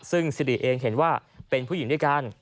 ซึ่งสิริเองเห็นว่าเป็นผู้หญิงด้วยกัน